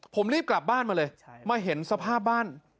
ผมรีบกลับบ้านมาเลยมาเห็นสภาพบ้าน